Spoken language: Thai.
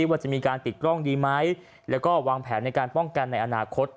ว่าจะมีการติดกล้องดีไหมแล้วก็วางแผนในการป้องกันในอนาคต